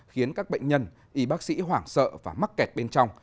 khiến các bệnh nhân y bác sĩ hoảng sợ và mắc kẹt bên trong